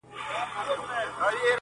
ستا د خوبولو سترگو رنگ يې راوړ